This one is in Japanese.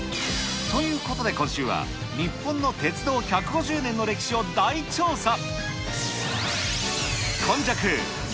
ということで、今週は日本の鉄道１５０年の歴史を大調査。